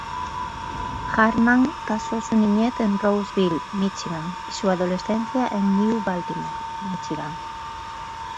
Hartman pasó su niñez en Roseville, Míchigan y su adolescencia en New Baltimore, Míchigan.